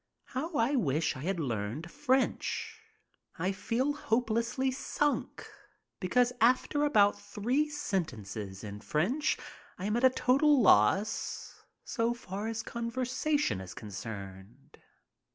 How I wish that I had learned French. I feel hopelessly sunk, because after about three sentences in French I am a total loss so far as conversation is concerned.